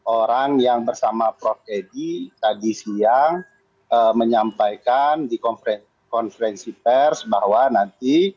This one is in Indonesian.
orang yang bersama prof edi tadi siang menyampaikan di konferensi pers bahwa nanti